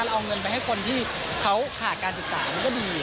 เราเอาเงินไปให้คนที่เขาขาดการศึกษามันก็ดี